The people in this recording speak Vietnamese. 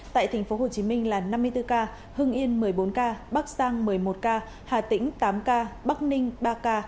tại tp hcm là năm mươi bốn ca hưng yên một mươi bốn ca bắc giang một mươi một ca hà tĩnh tám ca bắc ninh ba ca